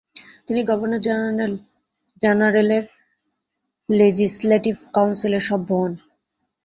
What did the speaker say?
তিনি গভর্নর জেনারেলের লেজিসলেটিভ কাউন্সিলের সভ্য হন।